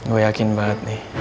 gue yakin banget nih